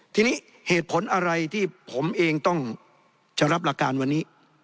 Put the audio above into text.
ทีนี้เหตุผลอะไรที่ผมเองต้องจะรับหลักการวันนี้